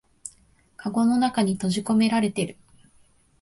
かごの中に閉じこめられてる